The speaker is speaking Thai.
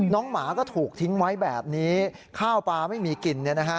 หมาก็ถูกทิ้งไว้แบบนี้ข้าวปลาไม่มีกิน